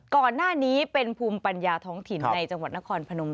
ก่อนหน้านี้เป็นภูมิปัญญาท้องถิ่นในจังหวัดนครพนม